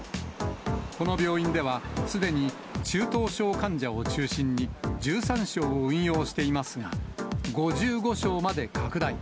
この病院では、すでに中等症患者を中心に、１３床運用していますが、５５床まで拡大。